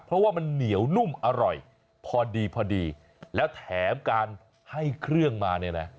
เพราะว่ามันเหนียวนุ่มอร่อยพอดีพอดีแล้วแถมการให้เครื่องมาเนี่ยนะ